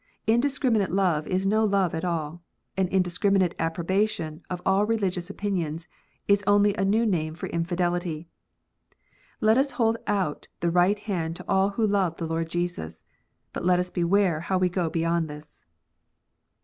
Indiscriminate love is no love at all, and indis criminate approbation of all religious opinions, is only a new name for infidelity. Let us hold out the right hand to all who love the Lord Jesus, but let us beware how we go beyond this.